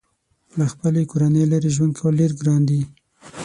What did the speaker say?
له خپلې کورنۍ لرې ژوند کول ډېر ګران دي.